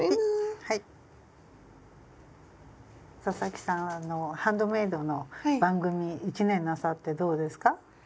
佐々木さんはハンドメイドの番組１年なさってどうですか？